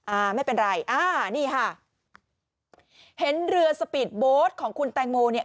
อ่าไม่เป็นไรอ่านี่ค่ะเห็นเรือสปีดโบ๊ทของคุณแตงโมเนี่ย